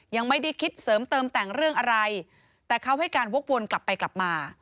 ยังไม่ได้คิดเสริมเติมแต่งเรื่องอะไรแต่เขาให้การวกวนกลับไปกลับมา